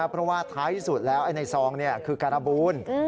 เพราะว่าท้ายที่สุดแล้วในซองคือการบูล